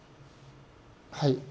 はい。